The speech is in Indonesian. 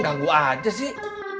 ganggu aja sih